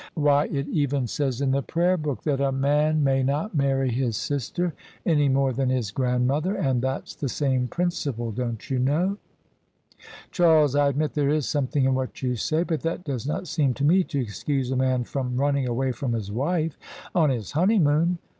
Why, it even says in the Prayer book that a man THE SUBJECTION OF ISABEL CARNABY may not marry his sister any more than his grandmother, and that's the same principle, don't you know?" " Charles, I admit there is something in what you say. But that does not seem to me to excuse a man from running away from his wife on his honeymoon."